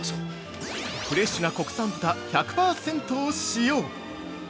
◆フレッシュな国産豚１００％を使用。